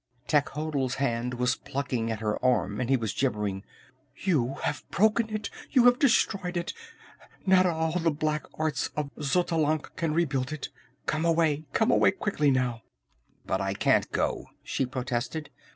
Techotl's hand was plucking at her arm and he was gibbering: "You have broken it! You have destroyed it! Not all the black arts of Xotalanc can rebuild it! Come away! Come away quickly, now!" "But I can't go," she protested.